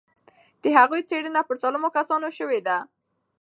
د هغوی څېړنه پر سالمو کسانو شوې وه.